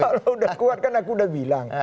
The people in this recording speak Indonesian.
kalau udah kuat kan aku udah bilang